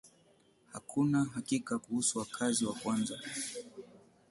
Hakuna hakika kuhusu wakazi wa kwanza.